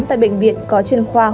tại bệnh viện có chuyên khoa hữu